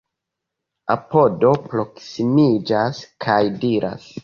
Apodo proksimiĝas kaj diras: